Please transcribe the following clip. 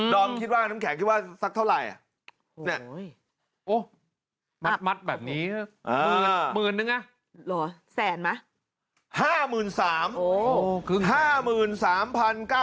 ดอมคิดว่าอำเภกคิดว่าสักเท่าไหร่โอ้ยมัดแบบนี้๑๐๐๐๐หนึ่งน่ะ